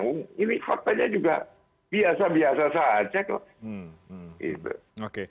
hmm ini faktanya juga biasa biasa saja kok